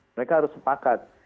mereka harus sepakat